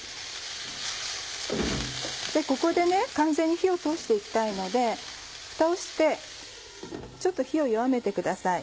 でここでね完全に火を通して行きたいのでふたをしてちょっと火を弱めてください。